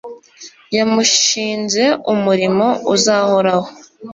yamushinze umurimo uzahoraho